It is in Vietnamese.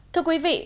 thưa quý vị